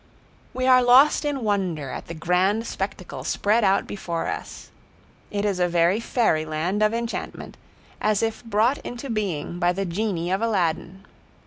We are lost in wonder at the grand spectacle spread out before us; it is a very fairyland of enchantment, as if brought into being by the genii of Aladdin.